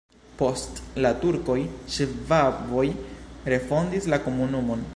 Post la turkoj ŝvaboj refondis la komunumon.